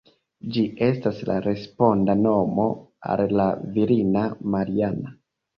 Ĝi estas la responda nomo al la virina Mariana.